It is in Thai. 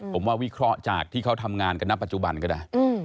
ผมว่าวิเคราะห์จากที่เขาทำงานกันณปัจจุบันก็ได้